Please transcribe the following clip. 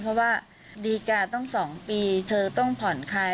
เพราะว่าดีการ์ต้อง๒ปีเธอต้องผ่อนคลาย